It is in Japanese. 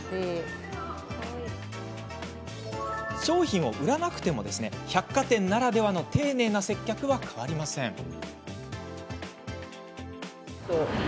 商品を売らなくても百貨店ならではの丁寧な接客は変わりません。